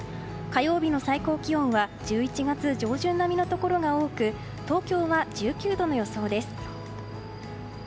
火曜日の最高気温は１１月上旬並みのところが多く東京は１９度の予想です。